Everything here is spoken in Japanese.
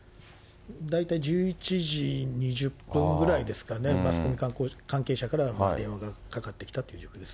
大体１１時２０分ぐらいですかね、マスコミ関係者から電話がかかってきたという状況です。